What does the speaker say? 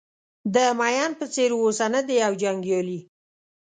د مین په څېر اوسه نه د یو جنګیالي.